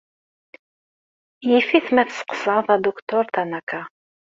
Yif-it ma tesseqsaḍ Aduktur Tanaka.